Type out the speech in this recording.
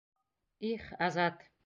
Их, Азат!